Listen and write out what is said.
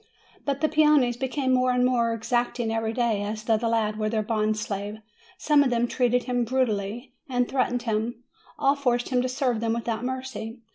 But the peones became more and more exacting every day, as though the lad were their bond slave; some of them treated him brutally, and threatened him ; all forced him to serve them without mercy.